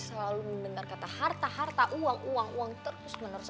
selalu menderkata harta harta uang uang terpus menerus